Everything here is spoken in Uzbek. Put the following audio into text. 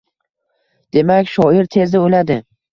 Demak shoir tezda oʻladi –